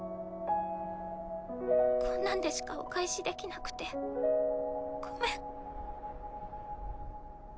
こんなんでしかお返しできなくてごめん。